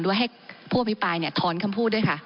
ด้วยให้พ่อพี่ปลายเนี่ยทอนคำพูดด้วยค่ะ